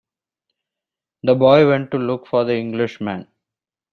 The boy went to look for the Englishman.